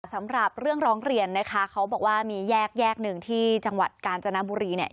สำหรับเรื่องร้องเรียนนะคะเขาบอกว่ามีแยกแยกหนึ่งที่จังหวัดกาญจนบุรีเนี่ย